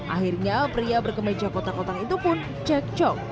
akhirnya pria berkemeja kotak kotak itu pun cekcok